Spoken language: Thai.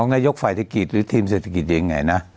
นายกฝ่ายเศรษฐกิจหรือทีมเศรษฐกิจยังไงนะ